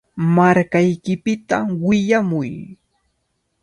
Markaykipita willamuy.